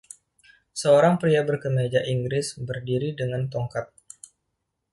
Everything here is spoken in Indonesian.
Seorang pria berkemeja Inggris berdiri dengan tongkat.